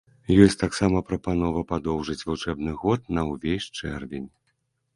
Ёсць таксама прапановы падоўжыць вучэбны год на ўвесь чэрвень.